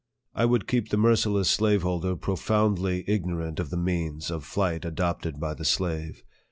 I would keep the merci less slaveholder profoundly ignorant of the means of flight adopted by the slave.